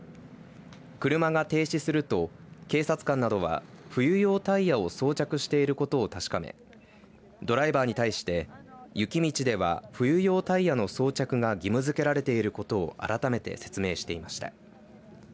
車が停止すると警察官などは冬用タイヤを装着していることを確かめドライバーに対して雪道では冬用タイヤの装着が義務づけられていることを改めて説明していました。